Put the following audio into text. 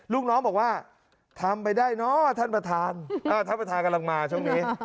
ลูกน้องบอกว่าทำไปได้เนอะท่านประธานท่านประธานกำลังมาช่วงนี้